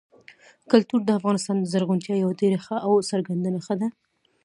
کلتور د افغانستان د زرغونتیا یوه ډېره ښه او څرګنده نښه ده.